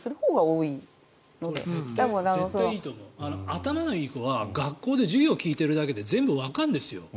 頭のいい子は学校で授業聞いているだけで全部わかるんですよ。